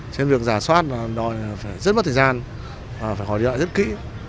cho nên việc giả soát là rất mất thời gian phải hỏi đi lại rất kỹ